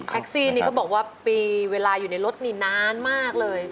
ซี่นี่เขาบอกว่าปีเวลาอยู่ในรถนี่นานมากเลย